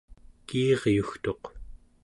kiiryugtuq